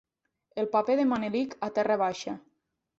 El paper de Manelic a "Terra Baixa".